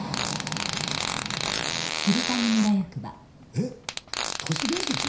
えっ都市伝説？